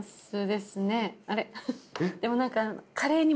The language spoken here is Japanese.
でも何か。